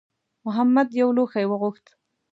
محمد یو لوښی وغوښت.